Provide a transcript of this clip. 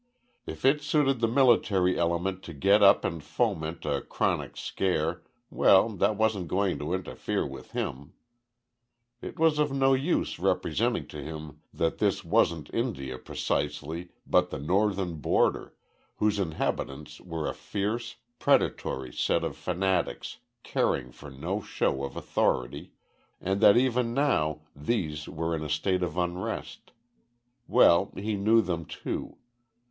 If it suited the military element to get up and foment a chronic scare, well that wasn't going to interfere with him. It was of no use representing to him that this wasn't India precisely, but the Northern border whose inhabitants were a fierce, predatory set of fanatics caring for no show of authority, and that even now these were in a state of unrest well, he knew them too.